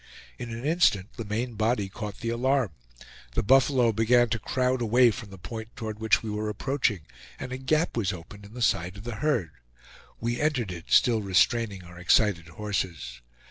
In an instant the main body caught the alarm. The buffalo began to crowd away from the point toward which we were approaching, and a gap was opened in the side of the herd. We entered it, still restraining our excited horses.